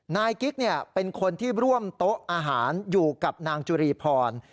นายกิ๊กเป็นคนที่ร่วมโต๊ะอาหารอยู่กับนางจุรีพร